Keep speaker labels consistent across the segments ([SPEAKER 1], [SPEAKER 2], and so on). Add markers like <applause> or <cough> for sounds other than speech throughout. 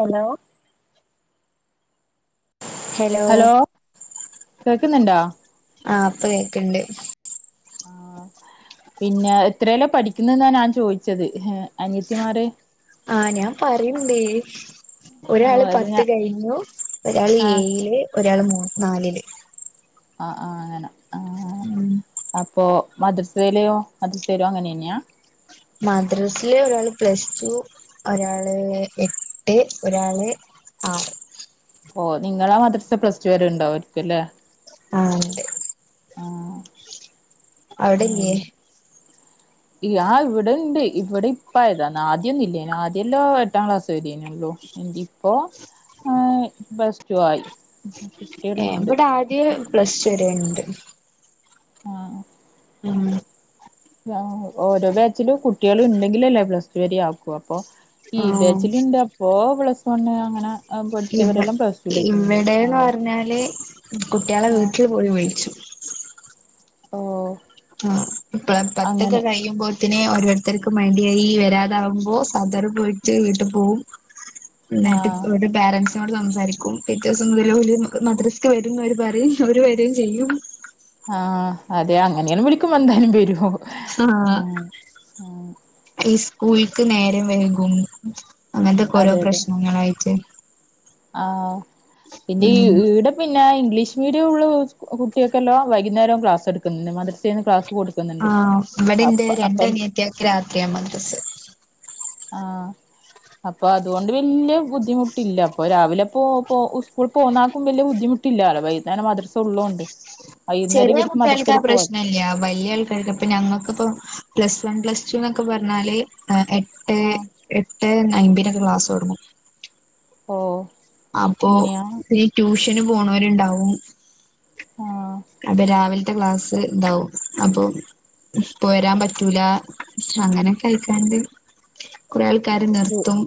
[SPEAKER 1] Hello hello
[SPEAKER 2] കേക്കുന്നുണ്ടോ
[SPEAKER 1] ആഹ് ഇപ്പ കേക്ക്ണ്ട്
[SPEAKER 2] പിന്ന എത്രേലാ പഠിക്കുന്നേന്നാ ഞാൻ ചോയിച്ചത് അനിയത്തിമാര്
[SPEAKER 1] ആരാ പറയിണ്ടേ
[SPEAKER 2] ഓ
[SPEAKER 1] ഒരാള്
[SPEAKER 2] അത്
[SPEAKER 1] പത്ത്
[SPEAKER 2] ഞാൻ
[SPEAKER 1] കഴിഞ്ഞു ഒരാള്
[SPEAKER 2] ആ
[SPEAKER 1] ഏഴില് ഒരാള് മൂ നാലില്
[SPEAKER 2] അ ആഹ് അങ്ങന ആ
[SPEAKER 1] ഉം
[SPEAKER 2] അപ്പോ മദർസേലോ മദർസേലോ അങ്ങനെതന്നെയ
[SPEAKER 1] മദ്രാസയിലെ ഒരാള് പ്ലസ് ടു ഒരാള് എട്ട് ഒരാള് ആ
[SPEAKER 2] ഓ നിങ്ങളാ മദ്രസെ പ്ലസ് ടു വരെണ്ടാവായിരിക്കു അല്ലെ
[SPEAKER 1] ആ തെ
[SPEAKER 2] ഉം
[SPEAKER 1] അവിടെല്ലേ <inaudible>
[SPEAKER 2] ഇല്ല ഇവിടെ ഉണ്ട് ഇവിടെ ഇപ്പായതാ ആദ്യൊന്നില്ലാനു ആദ്യല്ലോ എട്ടാം ക്ലാസ് വരേനു ല്ലോ എന്റിപ്പോ ആ ബസ് ടു ആയി
[SPEAKER 1] ഏ
[SPEAKER 2] കുട്ടികളുണ്ട്
[SPEAKER 1] ഇവിടെ ആദ്യേ പ്ലസ്ടു വെരേണ്ട്
[SPEAKER 2] ആഹ്
[SPEAKER 1] ഉം
[SPEAKER 2] ഓരോ ബാച്ചിലും കുട്ടികളിണ്ടെങ്കിലല്ലേ പ്ലസ് ടു വെരേ ആക്കുവ അപ്പൊ ഈ
[SPEAKER 1] ആ
[SPEAKER 2] ബാച്ചിലുണ്ട് അപ്പൊ പ്ലസ് വൺ അങ്ങന
[SPEAKER 1] ഇവ ഇവിടേന്ന്
[SPEAKER 2] ആഹ്
[SPEAKER 1] പറഞ്ഞാല് കുട്ടികളെ
[SPEAKER 2] ആഹ്
[SPEAKER 1] വീട്ടിൽ പോയി വിളിച്ചും
[SPEAKER 2] ഓ
[SPEAKER 1] ആ പ്ലാ പത്തൊക്കെ
[SPEAKER 2] അങ്ങനെ
[SPEAKER 1] കഴിയുംമ്പോ പിന്നെ ഓരോരുത്തർക്ക് മടിയായി വരാതാവുംമ്പോ മദറ് പോയിട്ട് വീട്ടു പോവും എന്നിട്ട് ഇപ്പ
[SPEAKER 2] ആഹ്
[SPEAKER 1] ഇവിടടു പേരൻസിനോട് സംസാരിക്കും പിറ്റേസം ഇവര് വര് മക്ക മദ്രസ്ക് വെരുംന്നോര് പറയും അവര് വെരേം ചെയ്യും
[SPEAKER 2] ആഹ് അതെ അങ്ങനെയാണ് വിളിക്കുമോ എന്താലും വരൂ
[SPEAKER 1] ഹാ ഈ സ്കൂൾക്ക് നേരം വൈകും അങ്ങൻത്തെകോരോ
[SPEAKER 2] അതെ അതെ
[SPEAKER 1] പ്രശ്നങ്ങളായിട്ട്
[SPEAKER 2] ആഹ് പിന്നെ ഈ
[SPEAKER 1] ഉം
[SPEAKER 2] ഈടെ പിന്നെ ഇംഗ്ലീഷ് മീഡിയുള്ള കുട്ടികക്കെല്ലാം വൈകുന്നേരം ക്ലാസ് എടുക്കുന്ന് മദ്രസേന്ന് ക്ലാസ്
[SPEAKER 1] ആ
[SPEAKER 2] കൊടുക്കുന്നുണ്ട്
[SPEAKER 1] ഇവിടെ ഇണ്ട്
[SPEAKER 2] അപ്പ
[SPEAKER 1] രണ്ട്
[SPEAKER 2] അപ്പം
[SPEAKER 1] അനിയത്തിയാക്ക് രാത്രിയാ മദറസ്
[SPEAKER 2] ആഹ് അപ്പൊ അതുകൊണ്ട് വെല്ല്യ ബുദ്ധിമുട്ടില്ല അപ്പൊ രാവിലെപ്പോ പോ സ്കൂൾ പോന്നാക്കും വലൃ ബുദ്ധിമു ട്ടില്ലാല്ല വൈകുന്നേരം മദ്രസ ഒള്ളോണ്ട്
[SPEAKER 1] ചെറിയ കുട്ടിയൾക്ക് ആ പ്രശ്നില്ല്യ വല്ല്യ ആൾക്കാർക്ക് അ ഇപ്പ ഞങ്ങക്ക് ഇപ്പം പ്ലസ് വൺ പ്ലസ് ടു എന്നൊക്കെ പറഞ്ഞാല് എട്ട്
[SPEAKER 2] ആഹ്
[SPEAKER 1] എട്ട് ണയന്തിനൊക്കെ ക്ലാസ് തൊടങ്ങും
[SPEAKER 2] ഓഹ്
[SPEAKER 1] അപ്പൊ ഈ ട്യൂഷന് പോണവരുണ്ടാവും
[SPEAKER 2] ആഹ്
[SPEAKER 1] അത് രാവിലത്തെ ക്ലാസ് ഇതാവും അപ്പൊ ഇപ്പ വെരാൻ പറ്റൂല അങ്ങനൊക്കെ ആയിട്ടാണ്ട് കൊറെ ആൾ ക്കാര് നിർത്തും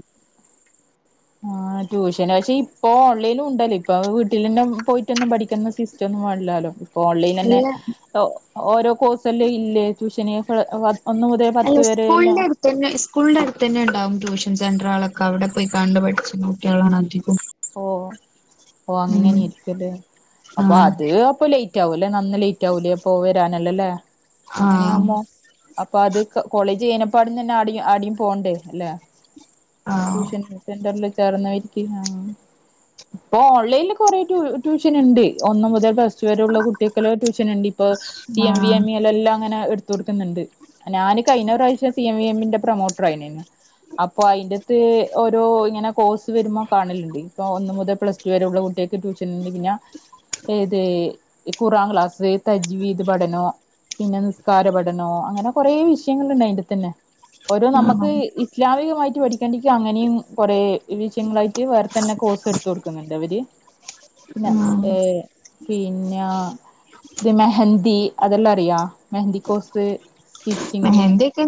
[SPEAKER 2] ആ ട്യൂഷന് പക്ഷെ ഇപ്പൊ ഓൺലൈനും ഉണ്ടല്ലേ ഇപ്പ വീട്ടിലന്നെ പോയിട്ടൊന്നും പഠിക്കുന്ന സീസ് മറ്റൊന്നും പാടില്ലാലോ ഇപ്പോ ഓൺലൈൻ തന്നെ
[SPEAKER 1] അല്ല
[SPEAKER 2] ഒ ഓരോ കോഴ്സല്ലാം ഇല്ലേ ട്യൂഷന് വ
[SPEAKER 1] അല്ല സ്കൂൽന്റെ പിന്നെ സ്കൂളിന്റെ അടുത്ത് തന്നെ ഉണ്ടാവും ട്യൂഷൻ സെന്ററുകള് ഒക്കെ അവിടെ പോയി കണ്ടു പഠിച്ച കുട്ടികളാണ് അധികം
[SPEAKER 2] ഓ ഓ
[SPEAKER 1] ഉം
[SPEAKER 2] അങ്ങനെ ഇരിക്കുല്ലേ അപ്പൊ
[SPEAKER 1] ആഹ്
[SPEAKER 2] അത് അപ്പൊ ലേറ്റ് ആവുല്ലേ നന്ന് ലേറ്റ് ആവുലേ അപ്പൊ വരാനെല്ലോലെ
[SPEAKER 1] ആഹ്
[SPEAKER 2] അങ്ങനെയാകുമ്പോ അപ്പൊ അത് കൊ കോളേജ് അഴിഞ്ഞപ്പൊ അട്ന്നന്നെ അടിയു ആടിയും പോകണ്ട അല്ലേ
[SPEAKER 1] ആഹ്
[SPEAKER 2] ട്യൂഷൻ സെന്ററിൽ ചേർന്നവരികി ആ ഇപ്പൊ ഓൺലൈനിൽ കൊറെ ട്യൂഷൻ ഉണ്ട് ഒന്ന് മുതൽ പ്ലസ് വരെ ഒള്ള കുട്ടികൾക്ക് ഒക്കെ ട്യൂഷൻ ഉണ്ട് ഇപ്പ സി എം വി
[SPEAKER 1] ആഹ്
[SPEAKER 2] എം ഇ ലല്ലാം അങ്ങനെ എടു ത്തുടുക്കുന്നുണ്ട് ഞാന് കഴിഞ്ഞ പ്രാവശ്യം സി എം വി എം ഇന്റ് പ്രൊമോട്ടർ ആയിരുന്നു അപ്പൊ അയിന്റെത്ത് ഓരോ ഇങ്ങനെ കോഴ്സ് വരുമ്പോ കാണലുണ്ട് ഇപ്പ ഒന്ന് മുതൽ പ്ലസ് ടു വരെ ഉള്ള കുട്ടിയക്ക് ട്യൂഷൻ ഇണ്ട് പിന്നെ ഏത് ഇ കുറാക്ലാസ് തജവിത് പഠനോ പിന്നെ നിസ്കാര പഠനോ അങ്ങനെ കൊറേ വിഷയങ്ങളുണ്ട് അയിന്റെ തന്നെ ഓരോ
[SPEAKER 1] ആഹ്
[SPEAKER 2] നമുക്ക് ഇസ്ലാമികമായിട്ട് പഠിക്കേണ്ടിക്ക് അങ്ങനെയും കൊറെ വിഷയങ്ങളായിട്ട് വർ തന്നെ കോഴ്സ് എടുത്ത കൊടുക്കുന്നുണ്ട് ഇവര് പിന്നെ
[SPEAKER 1] ആഹ്
[SPEAKER 2] ഏ പിന്നെ ഇത് മെഹന്ദതി അതെല്ലാം അറിയാ മെഹന്ദതി കോഴ്സ് സ്റ്റിച്ചിങ്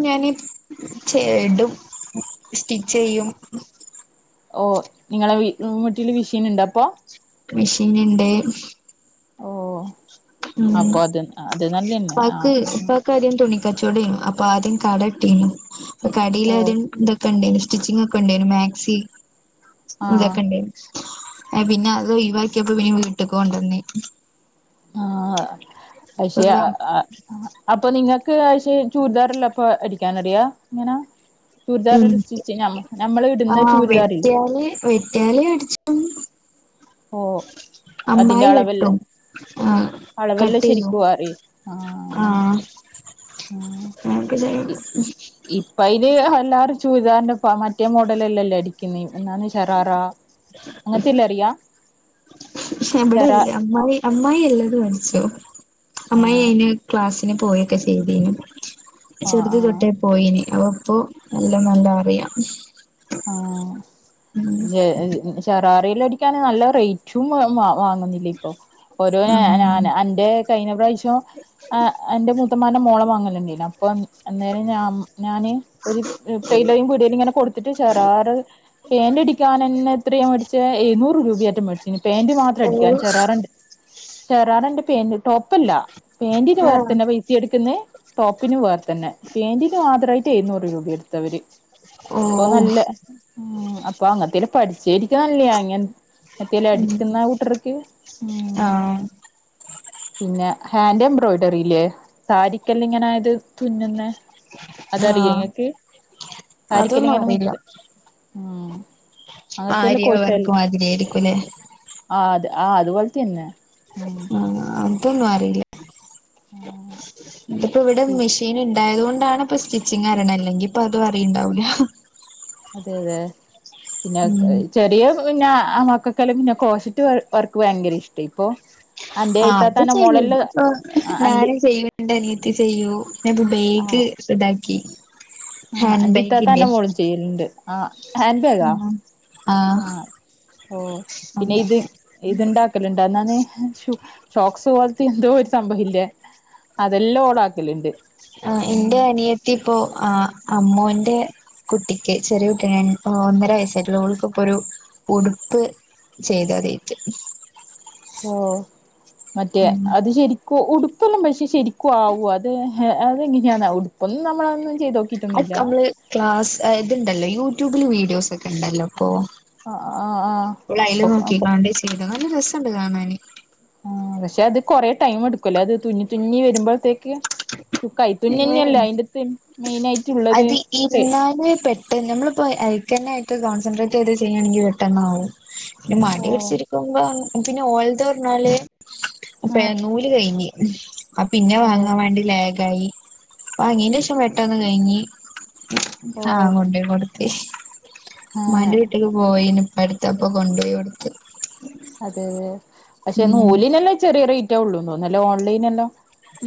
[SPEAKER 1] ഞാനെ ച എടും സ്റ്റിച്ച് ചെയ്യും
[SPEAKER 2] ഓ നിങ്ങളെ വി വിട്ടില് വിഷീൻ ഉണ്ടോ അപ്പൊ
[SPEAKER 1] മെഷീൻ ഇണ്ട്
[SPEAKER 2] ഓ
[SPEAKER 1] ഉം
[SPEAKER 2] അപ്പൊ അത് അത് നല്ലന്നെ
[SPEAKER 1] പക്ക് ഇപ്പ
[SPEAKER 2] ആഹ്
[SPEAKER 1] എക്ക് ആത്യം തുണിക്കച്ചോട ആയിരുന്നു അപ്പൊ ആദ്യം കട ഇട്ടീരുന്നു അപ്പ കടയില്
[SPEAKER 2] ഓ
[SPEAKER 1] ആദ്യം ഇതൊക്ക ണ്ടായിരുന്നു. സ്റ്റിച്ചിങ് ഒക്കെ ഉണ്ടായിരുന്നു മാക്സി
[SPEAKER 2] ആഹ്
[SPEAKER 1] ഇതൊക്കെ ഉണ്ടായിരുന്നു എ പിന്നെ അത് ഒഴിവാക്കിയപ്പോ പിന്നെ വീട്ടക്ക് കൊണ്ടന്നെ
[SPEAKER 2] ആഹ
[SPEAKER 1] ഇപ്പ
[SPEAKER 2] പക്ഷെ
[SPEAKER 1] ഇവിടെ
[SPEAKER 2] ആ ആഹ് അപ്പൊ നിങ്ങക്ക് ആശ ചൂരിദാറല്ലോ അപ്പൊ അടിക്കാൻ അറിയോ എങ്ങനാ ചുരിദാ
[SPEAKER 1] ഉം
[SPEAKER 2] സ്റ്റിച്ച് നമ്മള് ഇടുന്ന ചുരിദാർ ഇല്ലേ
[SPEAKER 1] വെറ്റാലി അടിച്ച് ട്ടും.
[SPEAKER 2] അതിന്റെ
[SPEAKER 1] അമ്മായി
[SPEAKER 2] അളവല്ല
[SPEAKER 1] വെട്ടും ആഹ്.
[SPEAKER 2] അളവെല്ലാം
[SPEAKER 1] കട്ടെയും
[SPEAKER 2] ശരിക്കും അറിയും ആഹ് അങ്ങനെ
[SPEAKER 1] ആഹ്. <unintelligible> ഹ്മ്.
[SPEAKER 2] ഇപ്പയ്ൽ ഹ് എല്ലാരും ചൂതാർണ്ടെപ്പ മറ്റേ മോഡലല്ലെല്ലേ അട്. ക്കെന്നെ എന്നാന്ന് ശറാറാ അങ്ങൻത്തെല്ല അർയാ.
[SPEAKER 1] ഇവ്ടെല്ല അമ്മായി അമ്മായി എല്ലതും അടിച്ചും അമ്മായി
[SPEAKER 2] ആഹ്
[SPEAKER 1] അയ്ന് ക്ലാസ്. ന് പോയൊക്കെ ചെയ്തിനു
[SPEAKER 2] ആഹ്
[SPEAKER 1] ചെറുത്
[SPEAKER 2] ആഹ്
[SPEAKER 1] തൊട്ടെ. പോയിനി അപൊപ്പൊ എല്ലം നല്ല അറിയാ.
[SPEAKER 2] ആഹ് ജെ ഹ് മ് ശെറാറേൽ അടിക്കാന് നല്ല റേറ്റും വ വാങ്ങുന്നില്ലെ ഇപ്പൊ. ഓരോ ഞാ ഞാന്
[SPEAKER 1] ഉം
[SPEAKER 2] അന് അന്റെ കയ്ഞ്ഞ പ്രാവ്ശ്യം. ആ എന്റെ മുത്തന്മാന്റെ മോളെ മങ്ങലേണ്ടേര്ന്നു അപ്പൊ അഹ് അന്നേരം ഞാൻ ഞാന്. ഒരു ഹ് ടൈൽഡെയും വിടേലുങ്ങനെ കൊട്ത്തിട്ട് ശെരാറ്. പേന്റ് അടിക്കാനെന്നെ എത്രയാ മേടിച്ചെ എഴുന്നൂറ് രൂപയെട്ടെ മേട്ച്ച്ണ്. പേന്റ് മാത്രം
[SPEAKER 1] ഓ
[SPEAKER 2] അടിക്കാൻ ശെറാറന്റെ ശെറാറന്റെ പേന്റ് ടോപ്പല്ല. പേന്റ്ത്
[SPEAKER 1] ആഹ്
[SPEAKER 2] വേര്ത്തന്നെ പൈ. ത്തിയെട്ക്കുന്നെ ടോപ്പിന് വേർ തന്നെ പേന്റിന് മാത്രായിട്ട് എഴുന്നൂറ് രൂപ എടുത്തവര്.
[SPEAKER 1] ഓ
[SPEAKER 2] അപ്പൊ നല്ല ഉം അപ്പൊ അങ്ങത്തെൽ പഠിച്ചിരിക്ക നല്ലാ അങ്ങെ. എത്തിയല്ല
[SPEAKER 1] ഉം
[SPEAKER 2] അടിക്കുന്ന കൂട്ടർക്ക് ഉം.
[SPEAKER 1] ആഹ്
[SPEAKER 2] പിന്നെ ഹാൻഡ് എംബ്രോയ്ഡറില്ലേ? സാരിക്കെല്ല ഇങ്ങനെ ത് തുന്നുന്നെ അതറിയൊ
[SPEAKER 1] ആഹ്
[SPEAKER 2] ങ്ങക്ക്.
[SPEAKER 1] അതൊന്നും
[SPEAKER 2] ക്ക്യനങ്ങനെ
[SPEAKER 1] അറിയില്ല
[SPEAKER 2] മുത്ത് ഉം. അങ്ങനത്തേല്
[SPEAKER 1] ആര്യാ
[SPEAKER 2] കോഴ്സൽ
[SPEAKER 1] വർക്ക് മാതിരിയെയിരിക്കു ലെ?
[SPEAKER 2] ആഹ് അത് അത്പോൽതന്ന്യെ ഉം.
[SPEAKER 1] ആ അതൊന്നും അറില്ല.
[SPEAKER 2] ആഹ്
[SPEAKER 1] മ് ഇത്പ്പൊ ഇവ്ടെ മെഷീന് ഇണ്ടായതുകൊണ്ടാണ് ഇപ്പം സ്റ്റിച്ചിങ്ങറിണെ ല്ലെങ്കിപ്പൊ അതു അറിണ്ടാവൂല.
[SPEAKER 2] അതെ അതെ പിന്നെ ഹ് കെ.
[SPEAKER 1] ഉം
[SPEAKER 2] ചെറിയ പിന്നെ അ മക്കക്കെല്ലെ പിന്നെ കോശറ്റ് വ വർക്ക് ഭയങ്കര ഇഷ്ട്ടേ ഇപ്പൊ. അന്റെ
[SPEAKER 1] ആ അത്
[SPEAKER 2] ഇത്താത്താന്റെ
[SPEAKER 1] ചെയ്യും
[SPEAKER 2] മോളെല്ലാം
[SPEAKER 1] പ്പൊ
[SPEAKER 2] ആഹ് അന്റെ
[SPEAKER 1] ഞാനു ചെയ്യു ന്റെ അനിയത്തി ചെയ്യൂ പ്പബേഗ് ശെതാക്കി.
[SPEAKER 2] ആ ഇന്റെ ഇത്താത്താന്റെ മോളും ചെയ്യല്ണ്ട് ആഹ് ഹാൻഡ് ബാഗാ.
[SPEAKER 1] ഉം
[SPEAKER 2] ആഹ് ഓഹ് പിന്നെ ഇത് ഇത്ണ്ടാ ക്കലുണ്ട് എന്താന്ന് ഷൂ ഷോക്സ് പോൽത്തെ എന്തോ ഒരു സംഭവ ഇല്ലേ? അതെല്ലാ ഓളാക്കല്ണ്ട്.
[SPEAKER 1] ആഹ് ഇന്റെ അനിയത്തിപ്പോ ആ അമ്മോന്റെ. കുട്ടിക്ക് ചെറിയ കുട്ട്യനെണ് ഒന്നര വയസ്സായിട്ടൊള്ളു ഓൾക്കിപ്പൊരു ഉടുപ്പ്. ചെയ്ത് അതെയ്റ്റ്.
[SPEAKER 2] ഓഹ് മറ്റേ
[SPEAKER 1] ഉം
[SPEAKER 2] അത് ശെരി. ക്ക് ഉടുപ്പല്ലാ പക്ഷേ ശരിക്കും ആവോ അത് അതെങ്ങനെയാന്ന് ഉടുപ്പൊന്നും നമ്മളന്ന്.
[SPEAKER 1] അഹ്‌ക് മ്മള് ക്ലാസ് ഏ ത്ണ്ടല്ലോ യൂട്യൂബില് വീഡിയോസ് ഒക്കെ ഉണ്ടല്ലോ പ്പൊ.
[SPEAKER 2] ആഹ് ആഹ്
[SPEAKER 1] ഓളൈല്
[SPEAKER 2] ആഹ് ആഹ്
[SPEAKER 1] നോക്കികാണ്ട് ചെയ്താ നല്ല രസണ്ട് കാണാന്.
[SPEAKER 2] ആഹ് പക്ഷെ അത് കൊറെ ടൈം എടുക്കുലെ അത് തുന്നി തുന്നി വരുമ്പോഴത്തേക്ക്. ഹു
[SPEAKER 1] പിന്നെ
[SPEAKER 2] കൈത്തുന്നന്നെല്ലെ അയിന്റെത്ത് മെയിൻ ആയിട്ടുള്ളത്. ഹേ
[SPEAKER 1] അയിന് <unintelligible> പ്പെ നമ്മള്പ്പൊ അയ്കെന്നായിട്ട് കോൺസെട്രേറ്റയ്ത് ചെയ്യാണെങ്കി പെട്ടന്നാവും. ഹ് പിന്നെ
[SPEAKER 2] ഓ
[SPEAKER 1] മടി പിടിച്ചിരിക്കുമ്പോ പിന്നെ ഓൾത് പർഞ്ഞാല്.
[SPEAKER 2] ആ
[SPEAKER 1] പെ നൂല് കൈഞ്ഞ് ആ പിന്നെ വാങ്ങാൻ വേണ്ടി ലാഗായി. വാങ്ങീന്റേഷം പെട്ടന്ന് കൈഞ്ഞി
[SPEAKER 2] ഓ
[SPEAKER 1] ആ കൊണ്ടോയ് കൊട്ത്ത്.
[SPEAKER 2] ആ
[SPEAKER 1] മ്മാന്റെ വീട്ട്ക്ക് പോയീനി ഇപ്പട്ത്ത് അപ്പൊ കൊണ്ടോയൊടുത്ത്.
[SPEAKER 2] അതെ തെ പഷേ
[SPEAKER 1] ഉം
[SPEAKER 2] നൂലിനെല്ലാം ചെറിയ റേറ്റേ ആവുള്ളൂ തോന്ന്ലെ ഓൺലൈനെല്ലാം.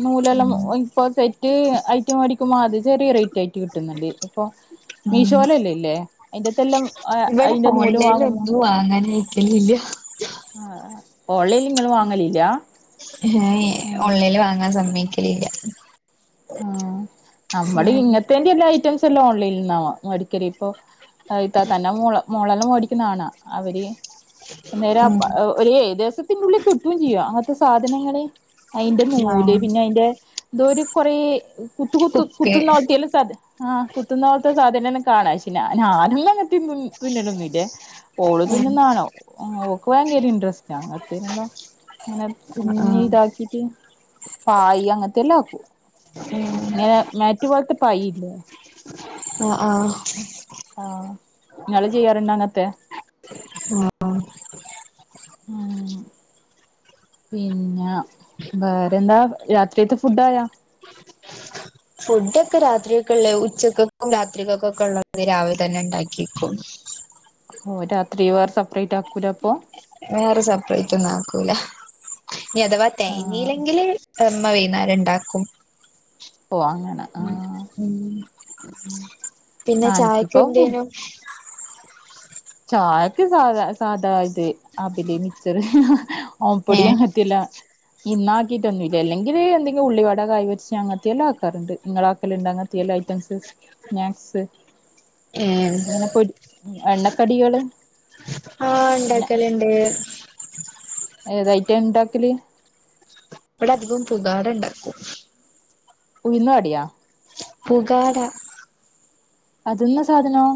[SPEAKER 2] നൂലല്ലാം ഇപ്പൊ സെറ്റ് ഐറ്റം മടിക്കുമ്പോ അത് ചെറിയ റേറ്റ് ആയിട്ട് കിട്ട്ന്നുണ്ട്. ഇപ്പൊ
[SPEAKER 1] ഉം
[SPEAKER 2] മീശോലല്ലേലേ അതിന്റെതെല്ലാം.
[SPEAKER 1] ഇവിടെ ഓൺലൈന ഒന്നും വാങ്ങാനയിക്കലില്ല.
[SPEAKER 2] ആഹ് ഓൺലൈല്ങ്ങള് വാങ്ങലില്ല?
[SPEAKER 1] ഏയ്
[SPEAKER 2] ഉം
[SPEAKER 1] ഓൺലൈല് വാങ്ങാൻ സമ്മയ്ക്കലില്ല.
[SPEAKER 2] ആഹ് അമ്മള് ഇങ്ങത്തെന്റെ എല്ലാ ഐറ്റംസല്ലാം ഓൺലൈനിൽ നിന്നാ മേടിക്കലി പ്പൊ. ഇത്താത്താന്റെ മോള മോളെല്ലാം മേടിക്കുന്നകാണഅവര്, ന്നേര
[SPEAKER 1] ഉം
[SPEAKER 2] ഒരേ ദിവസത്തിന്നുള്ളിൽ കിട്ടും ചെയ്യ അങ്ങത്തെ സാധനങ്ങള്. അയ്ന്റെ നൂല്
[SPEAKER 1] ആഹ്
[SPEAKER 2] പിന്നെ അയ്ന്റെ ന്തോരു കൊറേ കുത്ത് കുത്ത് കുത്ത്ന്ന
[SPEAKER 1] ബുക്ക്
[SPEAKER 2] നോക്കിയാല സധ ആഹ് കുത്തുന്നോൽത്തെ സാധനന്നെ കാണാം ക്ഷെ ഞാ ഞാനൊന്നും തിന്നും തുന്നലൊന്നും ഇല്ലേ. ഓള്
[SPEAKER 1] ഉം
[SPEAKER 2] തുന്നുന്ന കാണ ഓക്ക് ഭയങ്കര ഇൻട്രസ്റ്റ് അങ്ങൻത്തയ്നല്ലോ ഇങ്ങനെ
[SPEAKER 1] ഉം
[SPEAKER 2] തുന്നി
[SPEAKER 1] ആഹ്
[SPEAKER 2] താക്കീട്ട്. പായ് അങ്ങൻത്തെല്ലാം ആക്കും.
[SPEAKER 1] ഉം
[SPEAKER 2] ഇങ്ങനെ മാറ്റുപോൽത്തെ പായില്ലേ?
[SPEAKER 1] ആഹ് ആഹ്.
[SPEAKER 2] ആഹ് ങ്ങെള് ചെയ്യാറുണ്ടോ അങ്ങൻത്തെ? ആഹ്. പിന്നെ വേറെന്താ രാത്രിയത്തെ ഫുഡായാ?
[SPEAKER 1] ഫുഡോക്കെ രാത്രിയെക്ക്ള്ളെ ഉച്ചക്കക്കും രാത്രികക്കൊക്കെള്ള രാവിൽതന്നെ ഉണ്ടാക്കിക്കും.
[SPEAKER 2] ഓ രാത്രി വേർ സെപ്പറേറ്റ് ആക്കൂല അപ്പൊ
[SPEAKER 1] വേറെ സപ്പ്റേറ്റ് ഒന്നും ആക്കൂല ഇനി അഥവാ
[SPEAKER 2] ആ
[SPEAKER 1] തേയ്ഞ്ഞീല്ലെങ്കില്. <unintelligible> മ്മ വൈന്നാരം ഇണ്ടാക്കും.
[SPEAKER 2] ഓ അങ്ങനെ ആ
[SPEAKER 1] ഉം പിന്നെ
[SPEAKER 2] ആ
[SPEAKER 1] ചായെക്കെ
[SPEAKER 2] എനിക്കിപ്പോ
[SPEAKER 1] എന്തേനു?
[SPEAKER 2] ചായക്ക് സാധാ സാധാ ഇത് അബ് ല് മിച്ചറ്. ആഹ്
[SPEAKER 1] ഏഹ്
[SPEAKER 2] പൊടിയാൻ പറ്റില്ല. ഇന്നാക്കീട്ടൊന്നില്ല. അല്ലെങ്കില് എന്തെങ്കി ഉള്ളിവട കായി പൊര്ച്ചേ അങ്ങത്തെ എല്ലാ ആക്കാറ്ണ്ട്. ഇങ്ങളെ ആക്കലുണ്ടൊ അങ്ങൻ ത്യയെല്ലു ഐറ്റംസ് സ്നാക്സ്
[SPEAKER 1] ഏഹ്
[SPEAKER 2] ഇങ്ങനെ പൊ എണ്ണക്കടികള്
[SPEAKER 1] ആഹ് ഇണ്ടാക്കല്ണ്ട്.
[SPEAKER 2] ഏതയിറ്റ ഇണ്ടാക്കല്?
[SPEAKER 1] ഇവ്ട അധികം പുതാര ഇണ്ടാക്കും.
[SPEAKER 2] ഉഴ്ന്ന് വടിയാ.
[SPEAKER 1] പുകാട
[SPEAKER 2] അതെന്നാ സാധനോ?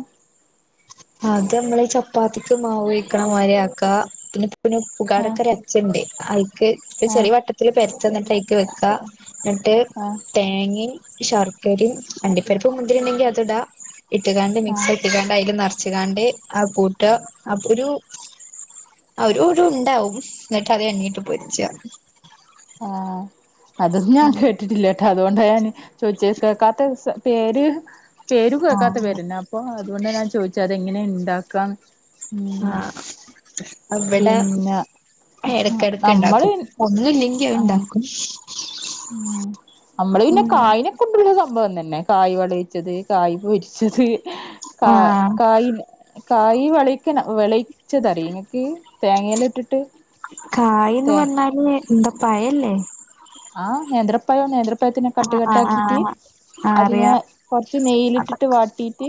[SPEAKER 1] അത് അമ്മള് ചപ്പാത്തിക്ക് മാവൊയ്ക്ക്ണ പോലെ ആക്ക പിന്നെ പിന്നെ
[SPEAKER 2] ആ
[SPEAKER 1] പുകാടൊക്കരച്ച്ണ്ട്. അയ്ക്ക്
[SPEAKER 2] ആ
[SPEAKER 1] ചെറിയ വട്ടത്തില് പര്ത്ത ഇന്നട്ടയ്ക്ക് വെക്കാ. ഇന്നട്ട്
[SPEAKER 2] ആ
[SPEAKER 1] തേങ്ങി ശർക്കരിം. അണ്ടിപ്പര്പ്പും മുന്തിരി ഇണ്ടെങ്കി അതിടാ. ഇട്ട്കാണ്ട്
[SPEAKER 2] ആ
[SPEAKER 1] മിക്സാക്കികാണ്ട് അയ്ൽ നെറ്ച്ച്കാണ്ട് അഹ് കൂട്ട അത് ഒരു അതൊരു ഉണ്ടാവും ഇന്നട്ട് അത് എണ്ണേട്ട് പൊരിച്ച.
[SPEAKER 2] ആഹ് അതൊന്നും ഞാൻ
[SPEAKER 1] ഉം
[SPEAKER 2] കേട്ടിട്ടില്ല. അതുകൊണ്ട ഞാൻ ചൊയ്ച്ചെ കേക്കാത്ത പേര് പേരും കേക്കാത്ത
[SPEAKER 1] ആഹ്
[SPEAKER 2] പേരെന്നാ. അപ്പൊ അതുകൊണ്ട ഞാൻ ചോയ്ചെ അത് എങ്ങനെ ഇണ്ടാക്കാന്ന്. ഉം
[SPEAKER 1] ആഹ് അത് ഇബെടെ
[SPEAKER 2] പിന്നെ
[SPEAKER 1] ഏടക്കെടക്ക്
[SPEAKER 2] നമ്മള്
[SPEAKER 1] ഇണ്ടാക്കും. ഒന്നില്ലെങ്കി അഹ്
[SPEAKER 2] ആഹ്
[SPEAKER 1] ഇണ്ടാക്കും
[SPEAKER 2] ഉം നമ്മള് പിന്നെ
[SPEAKER 1] ഉം
[SPEAKER 2] കായ്ന് കുണ്ടുവിള്ള സംഭവം തന്നെ കായ് വെളീച്ചത് കായ് പൊരിച്ചത്. കാ
[SPEAKER 1] ആഹ്
[SPEAKER 2] കായ് കായ് വെളീക്കണ വെളീ ച്ചതറീ ഇങ്ങക്ക് തേങേലിട്ടിട്ട് തേ
[SPEAKER 1] ഏഹ് ഇന്ത പഴല്ലെ
[SPEAKER 2] ആഹ് നേന്ത്രപ്പയോ നേന് ഇപ്പത്തിനെ കട്ട്
[SPEAKER 1] ആഹ്
[SPEAKER 2] കട്ട്
[SPEAKER 1] ആഹ്
[SPEAKER 2] ആക്കിട്ട്.
[SPEAKER 1] ആഹ് ആഹ്
[SPEAKER 2] അതിനെ
[SPEAKER 1] അറിയാം
[SPEAKER 2] കൊറ്ച്ച്
[SPEAKER 1] അത്
[SPEAKER 2] മെയ്ലിട്ടിട്ട് വാട്ടിയിട്ട്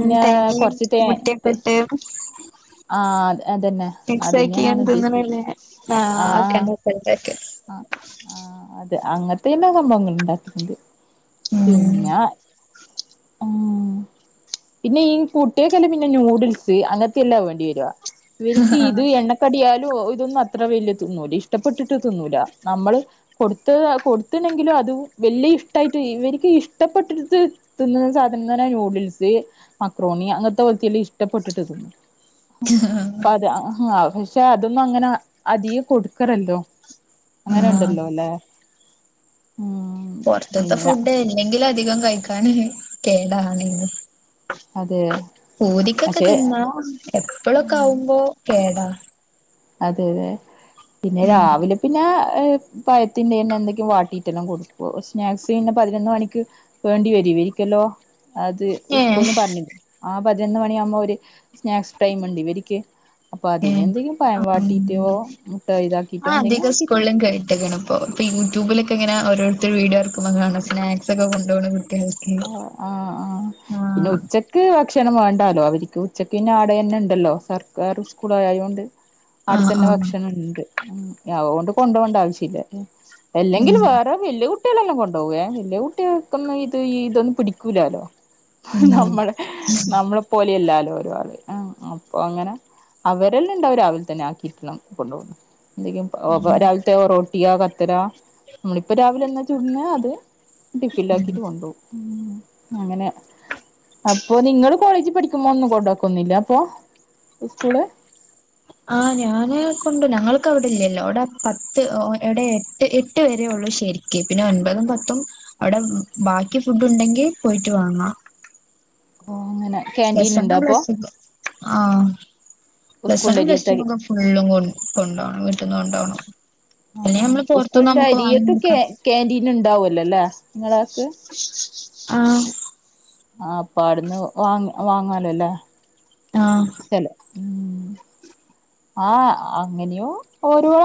[SPEAKER 1] ഉം തേങ്ങയും
[SPEAKER 2] കൊറ്ച്ച് തേ
[SPEAKER 1] മുട്ടയൊക്കെ
[SPEAKER 2] <unintelligible>
[SPEAKER 1] ഇട്ട്
[SPEAKER 2] ആഹ് അതെ
[SPEAKER 1] മക്സ് ആക്കി <unintelligible> എ ഇങ്ങനെ ഇല്ലെ <unintelligible>
[SPEAKER 2] അഹ് ആഹ് അതെ അങ്ങൻത്തെ എല്ലാ സംഭവങ്ങൾ ഇണ്ടാക്കിട്ട്ണ്ട്.
[SPEAKER 1] ഉം
[SPEAKER 2] പിന്നെ ഉം പിന്നെ ഈ കുട്ട്യേക്കെന്നെ പിന്നെ നൂഡിൽസ് അങ്ങൻത്തെ എല്ലാ വേണ്ടി വര ഇവെർക്ക് ഇത് എണ്ണക്കടി ആയാലും ഇതൊന്നും അത്ര വല്യ തിന്നൂല. ഇഷ്ടപ്പെട്ടിട്ട് തിന്നൂല. നമ്മള് കൊടുത്ത് കൊടുത്ത്ണെങ്കിലു അത് വല്യ ഇഷ്ടായിട്ട് ഇവർക്ക് ഇഷ്ടപ്പെട്ടിടുത്ത് ത്തിന്നുന്ന സാധനം സ് പറ്ന്ന നൂഡിൽസ് മക്രോണി അങ്ങൻത്തെ പോലത്തില്ല ഇഷ്ടപ്പെട്ടിട്ട് തന്നുന്നു അപ്പ അത്. പക്ഷെ അതൊന്നും അങ്ങനെ അധികം കൊടുക്കറല്ലോ അങ്ങനെ
[SPEAKER 1] ആഹ്
[SPEAKER 2] ഇണ്ടല്ലോ അല്ലെ ഉം
[SPEAKER 1] പൊറ്ത്ത്ത്തെ
[SPEAKER 2] പിന്നെ
[SPEAKER 1] ഫുഡ് അല്ലെങ്കിലു അധികം കഴിക്കാൻ കേണ്ട <unintelligible> ണ്ന്ന്
[SPEAKER 2] അതെ
[SPEAKER 1] പൂതിക്കൊക്കെ
[SPEAKER 2] പക്ഷെ
[SPEAKER 1] തിന്നണം എപ്പ ളൊക്കെ
[SPEAKER 2] ഉം
[SPEAKER 1] ആകുമ്പോ കേടാ
[SPEAKER 2] അതെ അതെ പിന്നെ
[SPEAKER 1] ഉം
[SPEAKER 2] രാവിലെ പിന്നെ പഴയത്തിന്റെറെ തന്നെ എന്തെക്കെ വാട്ടിയിട്ടെല്ലാം കൊടുക്കോ സ്നാക്സ് കെ പതിനൊന്ന് മണിക്ക് വേണ്ടി വരു വിരിക്കല്ലോ. അത്
[SPEAKER 1] ഏഹ്
[SPEAKER 2] ഉസ്കൂൾന്ന് പറഞ്ഞി <unintelligible> ആഹ് പതിനൊന്ന് മണിയാകുമ്പോ അവര് സ്നാക്സ് ടൈം ഉണ്ട് വക്ക് അപ്പൊ അതിനന്
[SPEAKER 1] ഏഹ്
[SPEAKER 2] എന്തെങ്കിലും പാം
[SPEAKER 1] ആ
[SPEAKER 2] വാട്ടിറ്റ മുട്ടൈത <unintelligible>
[SPEAKER 1] <unintelligible> ഇപ്പോ ഇപ്പൊ യൂട്യൂബിലക്കെങ്ങനെ ഓരോരുത്തിര് വിഡിയോ ആരക്കുമ്പോ കാണ് സ്നാക്സ് ഒക്കെ കൊണ്ട പോക കുട്ടികൾ
[SPEAKER 2] ആഹ് ആഹ് ആഹ് പിന്നെ ഉച്ച ക്ക് ഭക്ഷണം വേണ്ടാലോ അവർക്ക് ഉച്ചക്ക്ന്ന ആടെ തന്നെ ഉണ്ടല്ലോ സർക്കാർ സ്കൂള ആയതുകൊണ്ട്
[SPEAKER 1] ആ ആ
[SPEAKER 2] അടുത്തന്നെ ഭക്ഷണുണ്ട് ഉം അതുകൊണ്ട് കൊണ്ടോണ്ട ആവശ്യില്ല
[SPEAKER 1] ഉം
[SPEAKER 2] അല്ലെങ്കിൽ വേറെ വല്യ കുട്ടികളെല്ലാം കൊണ്ട് പോവയേ വല്യ കുട്ടികൾക്ക് ഇതൊന്നും പിടിക്കൂലാലോ
[SPEAKER 1] ഉം
[SPEAKER 2] നമ്മള് നമ്മളെ പോലെയല്ലാലോ ഒരാള് അപ്പൊ അങ്ങനെ അവരെല്ലാംണ്ടാവും രാവിലെ തന്നെ ആഹ് കിറ്റളം കൊണ്ടു പോന്നു എന്തക്കും
[SPEAKER 1] ഉം.
[SPEAKER 2] രാവിലത്തെ റോട്ടിയാ കത്തര നമ്മളിപ്പ രാവിലെ എന്നാ ചൂടന്ന അത് ടിഫൻില ആക്കിട്ട് കൊണ്ട അങ്ങനെ അപ്പൊ നിങ്ങള് കോളേജിൽ പഠിക്കുമ്പോ ഒന്നും കൊണ്ടക്കൊന്നുമില്ല അപ്പൊ സ്കൂള്
[SPEAKER 1] ആഹ് ഞാന് കൊണ്ട ഞങ്ങൾക്ക് അവിടെ ഇല്ലല്ലോ അവിടെ പത്ത് എവിടെ എട്ട് എട്ട് വര ഉള്ളൂ ശരിക്കും പിന്നെ ഒൻപതും പത്തും അവിടെ ബാക്കി ഫുഡ് ഉണ്ടെങ്കിൽ പോയിട്ട് വാങ്ങാം
[SPEAKER 2] <unintelligible> അങ്ങനെ ക്യാന്റീൻ ഇണ്ടോ
[SPEAKER 1] പ്ലസ്ണ്ണം
[SPEAKER 2] അപ്പൊ
[SPEAKER 1] പ്ലസ് ആഹ്
[SPEAKER 2] സ്കൂളിന്റെ
[SPEAKER 1] പ്ലസ്ണ്ണം
[SPEAKER 2] അരിയത്തെ
[SPEAKER 1] പ്ലസ്ക്ക ഫുള്ളും കൊ കൊണ്ടോകണം വീട്ടന്ന് കൊണ്ടോകണം പിന്ന നമ്മള് പുറത്തുന്ന് നമ്മുക്ക് വാങ്ങി നോക്കാം
[SPEAKER 2] കാന്റീൻ ഉണ്ടാവല്ലോ അല്ലേ നിങ്ങളക്ക്
[SPEAKER 1] ആഹ്
[SPEAKER 2] ആഹ് അപ്പ അടുന്ന് വാങ്ങ വാങ്ങാലല്ലേ
[SPEAKER 1] ആഹ്
[SPEAKER 2] <unintelligible> ഉം ആഹ് അങ്ങനെയോ ഒരുപാട്